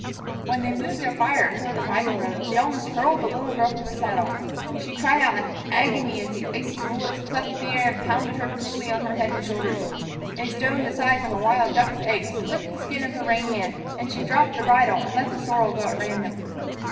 When they moved their fire forward to the wagon road, they almost hurled the little girl from her saddle. She cried out in agony as the icy bullets cleft the air and pounded her cruelly on head and shoulders. A stone the size of a wild duck's egg split the skin of her rein hand, and she dropped the bridle and let the sorrel go at random.